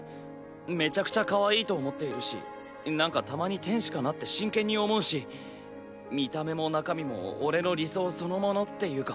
めちゃくちゃかわいいと思っているしなんかたまに天使かなって真剣に思うし見た目も中身も俺の理想そのものっていうか。